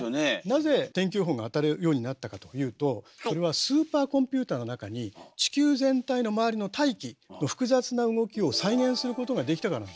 なぜ天気予報が当たるようになったかというとそれはスーパーコンピューターの中に地球全体の周りの大気の複雑な動きを再現することができたからなんです。